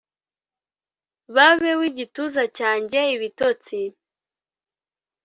babe w'igituza cyanjye, ibitotsi;